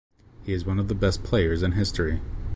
He is one of the best players in history.